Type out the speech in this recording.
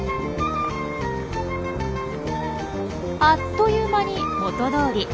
あっという間に元どおり。